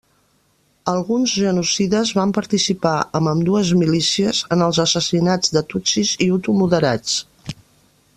Alguns genocides van participar amb ambdues milícies en els assassinats de tutsis i hutu moderats.